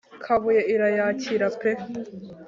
kabuye irayakira pe